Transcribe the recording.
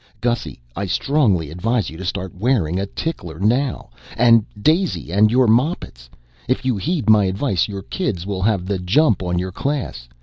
Gussy, I strongly advise you to start wearing a tickler now. And Daisy and your moppets. If you heed my advice, your kids will have the jump on your class.